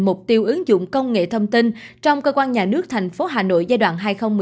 mục tiêu ứng dụng công nghệ thông tin trong cơ quan nhà nước thành phố hà nội giai đoạn hai nghìn một mươi sáu hai nghìn hai mươi